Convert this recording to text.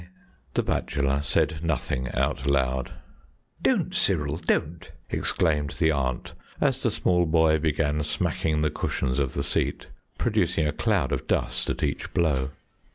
The bachelor said nothing out loud. "Don't, Cyril, don't," exclaimed the aunt, as the small boy began smacking the cushions of the seat, producing a cloud of dust at each blow.